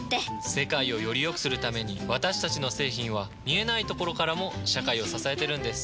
世界をよりよくするために私たちの製品は見えないところからも社会を支えてるんです。